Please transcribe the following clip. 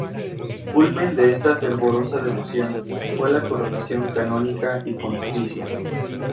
Culmen de esta fervorosa devoción, fue la Coronación Canónica y Pontificia.